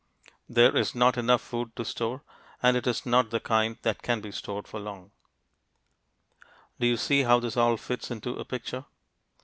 There is not enough food to store, and it is not the kind that can be stored for long. Do you see how this all fits into a picture?